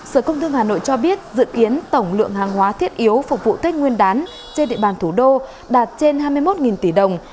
sở công thương hà nội cho biết dự kiến tổng lượng hàng hóa thiết yếu phục vụ tết nguyên đán trên địa bàn thủ đô đạt trên hai mươi một tỷ đồng